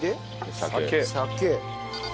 酒。